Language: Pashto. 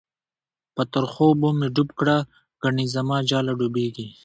په ترخو اوبو می ډوب کړه، گڼی زماجاله ډوبیږی